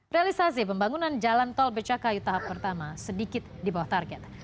realisasi pembangunan jalan tol becakayu tahap pertama sedikit di bawah target